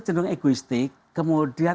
cenderung egoistik kemudian